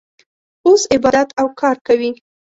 اوس عبادت او کار کوي.